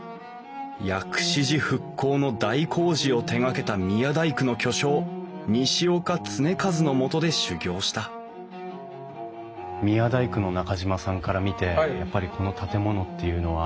薬師寺復興の大工事を手がけた宮大工の巨匠西岡常一のもとで修業した宮大工の中島さんから見てやっぱりこの建物っていうのは。